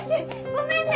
ごめんね！